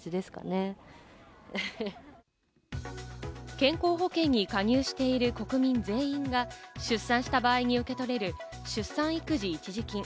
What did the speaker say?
健康保険に加入している国民全員が出産した場合に受け取れる出産育児一時金。